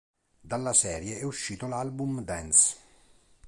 Dalla serie è uscito l'album Dance!